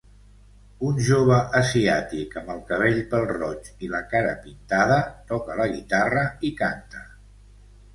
Un jove asiàtic amb el cabell pèl-roig i la cara pintada toca la guitarra i canta.